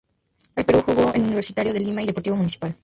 En Perú jugó en Universitario de Lima y Deportivo Municipal.